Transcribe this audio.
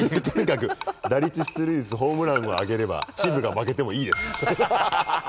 とにかく打率出塁率ホームランを上げればチームが負けてもいいです。